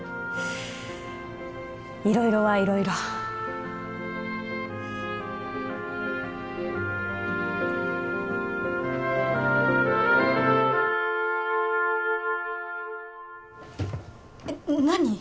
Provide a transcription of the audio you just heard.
いろいろはいろいろえっ何！？